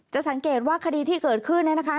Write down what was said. จะสังเกตว่าคดีที่เกิดขึ้นนะคะ